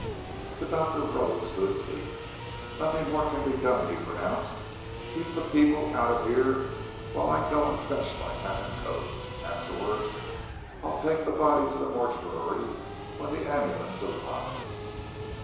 The doctor rose to his feet. "Nothing more can be done," he pronounced. "Keep the people out of here whilst I go and fetch my hat and coat. Afterwards, I'll take the body to the mortuary when the ambulance arrives."